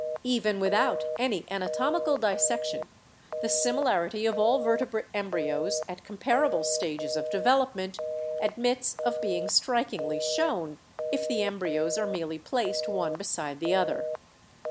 Even without any anatomical dissection, the similarity of all vertebrate embryos at comparable stages of development admits of being strik ingly shown, if the embryos are merely placed one beside the other.